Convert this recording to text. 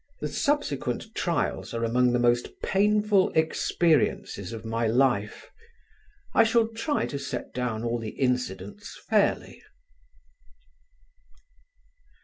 The subsequent trials are among the most painful experiences of my life. I shall try to set down all the incidents fairly.